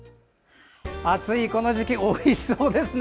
暑いこの時期おいしそうですね！